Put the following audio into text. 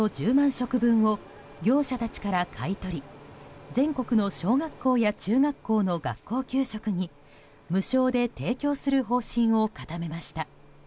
食分を業者たちから買い取り全国の小学校や中学校の学校給食に無償で提供する方針を固めました。